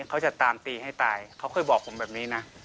เขาจะตามตีให้ตายเขาเคยบอกผมแบบนี้นะ